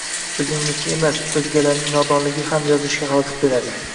O’zingniki emas, o’zgalarning nodonligi ham yozishga halaqit beradi.